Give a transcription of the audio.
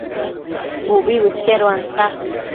Ubi bëqueduanta